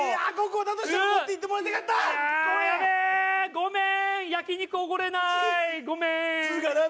ごめん！